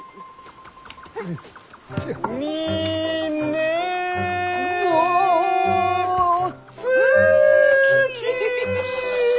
「みね」「の」「つき」シッ。